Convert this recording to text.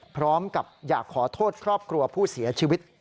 พร้อมกับอยากขอโทษครอบครัวผู้เสียชีวิต